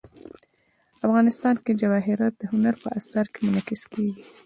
افغانستان کې جواهرات د هنر په اثار کې منعکس کېږي.